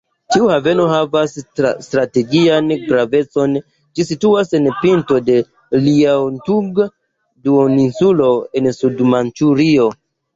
Tiu haveno havas strategian gravecon, ĝi situas sur pinto de Liaotung-duoninsulo, en Sud-Manĉurio.